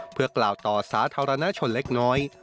เพื่อกล่าวต่อสาธารณชนเล็กน้อย